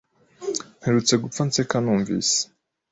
Mperutse gupfa nseka numvise.